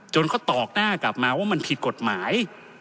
เขาตอกหน้ากลับมาว่ามันผิดกฎหมาย